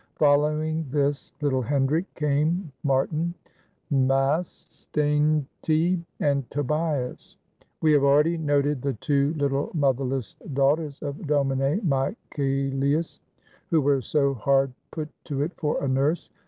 Following this little Hendrick came Martin, Maas, Steyntje, and Tobias. We have already noted the two little motherless daughters of Domine Michaelius who were so hard put to it for a nurse.